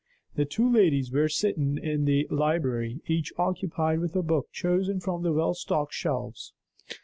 The two ladies were sitting in the library each occupied with a book chosen from the well stocked shelves.